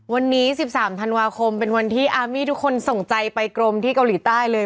วันนี้๑๓ธันวาคมเป็นวันที่อาร์มี่ทุกคนส่งใจไปกรมที่เกาหลีใต้เลย